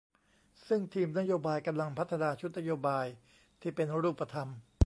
ซึ่งทีมนโยบายกำลังพัฒนาชุดนโยบายที่เป็นรูปธรรม